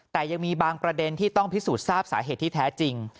แต่ยังมีบางประเด็นที่ต้องพิสูจน์ทราบสาเหตุที่แท้จริง